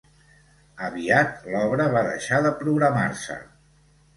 Aviat l'obra va deixar de programar-se.